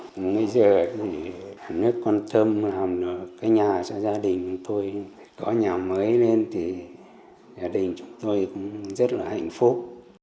bây giờ thì nước quan tâm làm cái nhà cho gia đình thôi có nhà mới lên thì gia đình chúng tôi cũng rất là hạnh phúc